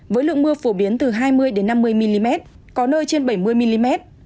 với lượng mưa phổ biến từ hai mươi năm mươi mm có nơi trên bảy mươi mm